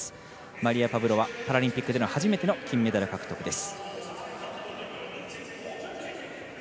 マリヤ・パブロワパラリンピックでの初めての金メダル獲得です。